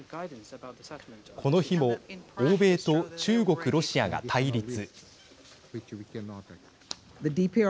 この日も欧米と中国、ロシアが対立。